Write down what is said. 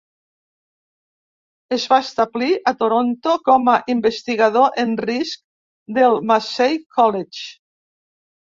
Es va establir a Toronto com a investigador en risc del Massey College.